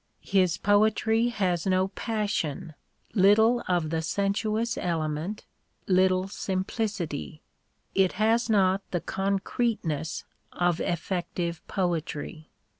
His poetry has no passion, little of the sensuous element, little simplicity: it has not the cori creteness of effective poetry.